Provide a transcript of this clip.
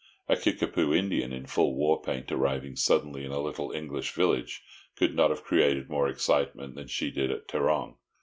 A Kickapoo Indian in full war paint, arriving suddenly in a little English village, could not have created more excitement than she did at Tarrong.